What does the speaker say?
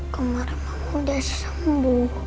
kemarama udah sembuh